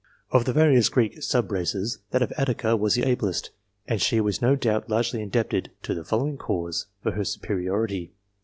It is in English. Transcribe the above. Of the various Greek sub races, that of Attica was the ablest, and she was no doubt largely indebted to the following cause for her superiority.